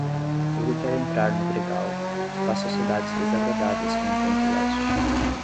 Ele quer entrar no gregal, que faz sociedades desagradáveis com o vento leste.